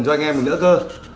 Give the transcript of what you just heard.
cho anh em mình nữa cơ